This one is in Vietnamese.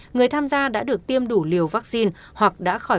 người tham gia đã được tiêm đủ liều vaccine hoặc đã khỏi bệnh covid một mươi chín